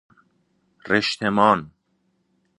رشتمان